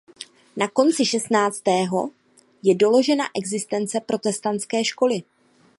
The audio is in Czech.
Na konci šestnáctého je doložena existence protestantské školy.